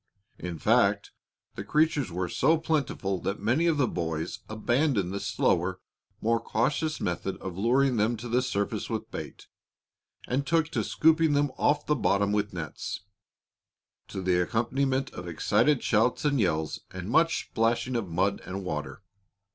In fact, the creatures were so plentiful that many of the boys abandoned the slower, more cautious method of luring them to the surface with bait, and took to scooping them off the bottom with nets, to the accompaniment of excited shouts and yells and much splashing of mud and water.